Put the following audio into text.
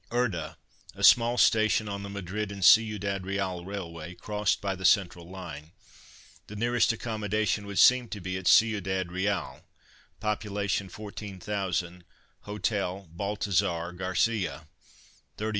URDA, a small station on the Madrid and Ciudad Real Railway, crossed by the central line. The nearest accommodation would seem to be at Ciudad Real (pop. 14,000; hotel, Baltasar Garcia), 33m.